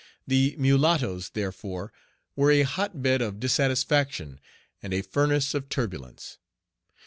The mulattoes, therefore, were a hot bed of dissatisfaction, and a furnace of turbulence.